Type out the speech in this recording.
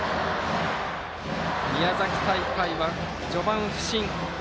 宮崎大会は序盤不振。